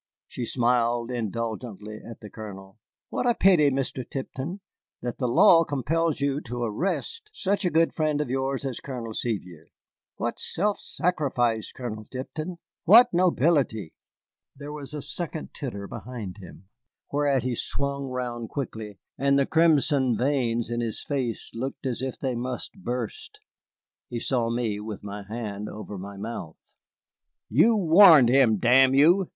She smiled indulgently at the Colonel. "What a pity, Mr. Tipton, that the law compels you to arrest such a good friend of yours as Colonel Sevier. What self sacrifice, Colonel Tipton! What nobility!" There was a second titter behind him, whereat he swung round quickly, and the crimson veins in his face looked as if they must burst. He saw me with my hand over my mouth. "You warned him, damn you!"